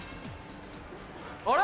あれ？